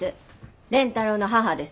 蓮太郎の母です。